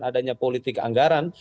adanya politik anggaran